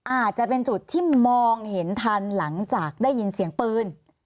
อาจจะเป็นจุดที่มองเห็นทันหลังจากได้ยินเสียงปืน